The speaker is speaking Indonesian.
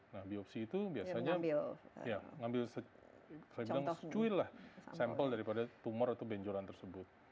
nah biopsi itu biasanya mengambil sampel daripada tumor atau benjolan tersebut